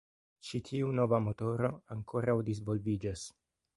Ĉi tiu nova motoro ankoraŭ disvolviĝas.